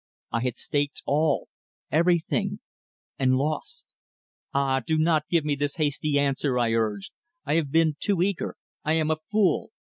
I had staked all, everything, and lost. "Ah, do not give me this hasty answer," I urged. "I have been too eager; I am a fool.